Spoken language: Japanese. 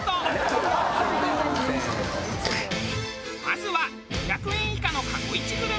まずは５００円以下の過去イチグルメ。